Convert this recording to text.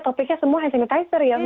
topiknya semua hand sanitizer ya